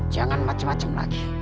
jangan macem macem lagi